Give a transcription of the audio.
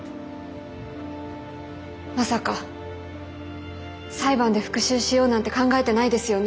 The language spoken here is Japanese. まさか裁判で復讐しようなんて考えてないですよね？